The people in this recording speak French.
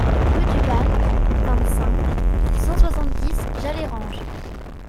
Rue du Banne, vingt-cinq, cent soixante-dix Jallerange